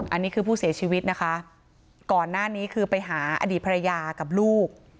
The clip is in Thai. อันนี้คือผู้เสียชีวิตนะคะก่อนหน้านี้คือไปหาอดีตภรรยากับลูก